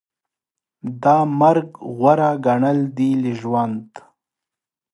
دا مرګ غوره ګڼل دي له ژوند